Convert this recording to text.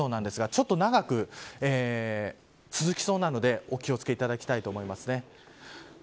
ちょっと長く続きそうなので、お気を付けいただきたいと思います。